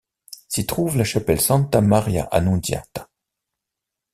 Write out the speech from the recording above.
S'y trouve la chapelle Santa Maria Annunziata.